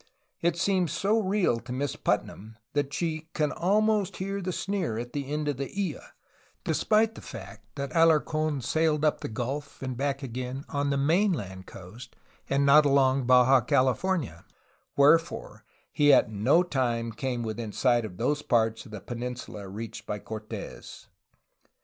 It seems so real to Miss Putnam that she "can almost hear the sneer at the end of the m" — despite the fact that Alarc6n sailed up the gulf and back again on the mainland coast and not along Baja California, wherefore he at no time came within sight of those parts of the peninsula reached by Cortes.